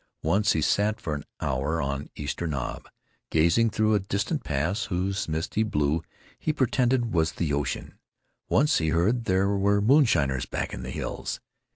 Once he sat for an hour on Easter Knob, gazing through a distant pass whose misty blue he pretended was the ocean. Once he heard there were moonshiners back in the hills.